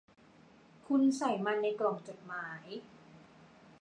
คุณใส่มันในกล่องจดหมาย